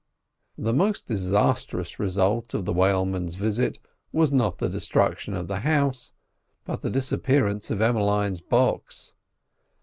The most disastrous result of the whaleman's visit was not the destruction of the "house," but the disappearance of Emmeline's box.